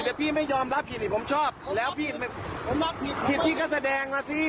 แต่พี่ไม่ยอมรับผิดที่ผมชอบแล้วพี่ผมรับผิดผิดพี่ก็แสดงมาสิ